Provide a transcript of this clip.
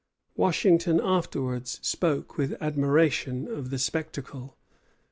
Washington afterwards spoke with admiration of the spectacle.